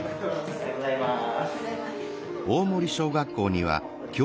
おはようございます。